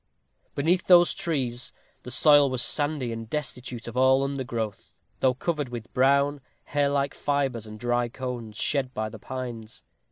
Beneath those trees, the soil was sandy and destitute of all undergrowth, though covered with brown, hair like fibres and dry cones, shed by the pines.